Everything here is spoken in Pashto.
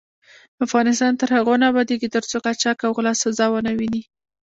افغانستان تر هغو نه ابادیږي، ترڅو قاچاق او غلا سزا ونه ويني.